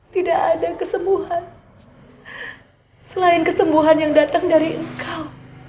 tidak ada kesembuhan selain kesembuhan yang datang dari engkau